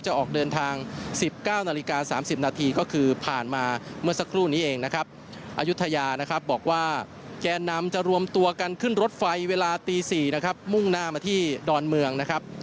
จะออกเดินทาง๑๙นล๓๐นพาถมาเมื่อสักครู่นี้เองนะครับ